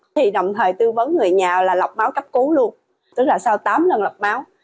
thì đồng thời tư vấn người nhà là lọc máu cấp cứu luôn tức là sau tám lần lọc máu